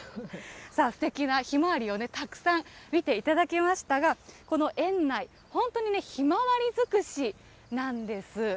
すてきなヒマワリをたくさん見ていただきましたが、この園内、本当にヒマワリ尽くしなんです。